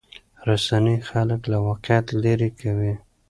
رسنۍ خلک له واقعیت لرې کوي.